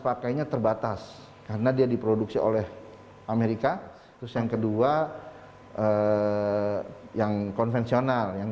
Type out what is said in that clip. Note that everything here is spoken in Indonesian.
pakainya terbatas karena dia diproduksi oleh amerika terus yang kedua yang konvensional yang